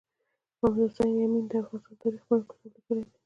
محمد حسین یمین د افغانستان تاریخي په نوم کتاب لیکلی دی